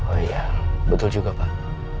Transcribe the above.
oh iya betul juga pak